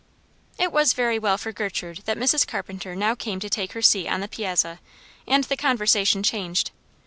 It was very well for Gertrude that Mrs. Carpenter now came to take her seat on the piazza, and the conversation changed.